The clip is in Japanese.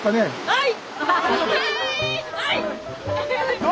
はい！